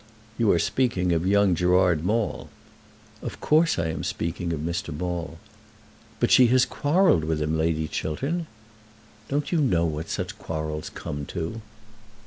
"You are speaking of young Gerard Maule." "Of course I am speaking of Mr. Maule." "But she has quarrelled with him, Lady Chiltern." "Don't you know what such quarrels come to?"